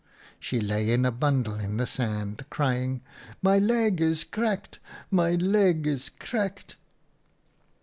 She lay in a bundle in the sand, crying, ' My leg is cracked ! my leg is cracked